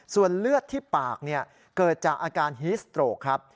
ส่วนเลือดที่ปากเกิดจากอาการฮีสโตรกครับ